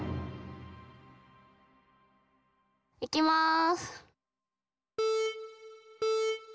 いきます。